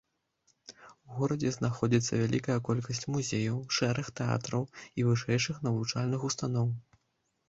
У горадзе знаходзіцца вялікая колькасць музеяў, шэраг тэатраў і вышэйшых навучальных устаноў.